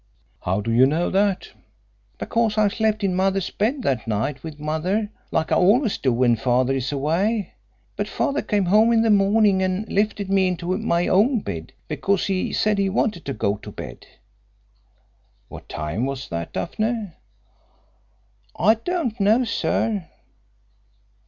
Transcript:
"How do you know that?" "Because I slept in Mother's bed that night with Mother, like I always do when Father is away, but Father came home in the morning and lifted me into my own bed, because he said he wanted to go to bed." "What time was that, Daphne?" "I don't know, sir."